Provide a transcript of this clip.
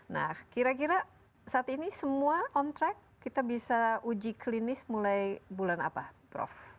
nah kira kira saat ini semua on track kita bisa uji klinis mulai bulan apa prof